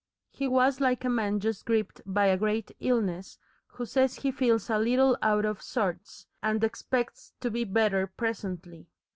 He was like a man just gripped by a great illness, who says he feels a little out of sorts, and expects to be better presently.